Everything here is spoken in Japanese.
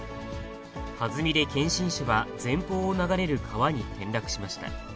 はずみで検診車は、前方を流れる川に転落しました。